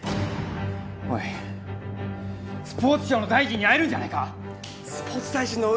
おい、スポーツ省の大臣に会えるんじゃないか？